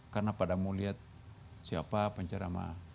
karena pada mau lihat siapa pencerama